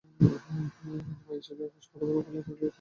কিন্তু মায়ের চোখ আকাশ বরাবর খোলা থাকলেও তিনি আকাশ দেখতে পাচ্ছেন না।